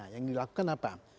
yang dilakukan apa